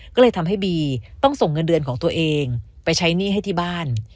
ก็เลยทำให้บีต้องส่งเงินเดือนของตัวเองไปใช้หนี้ให้ที่บ้าน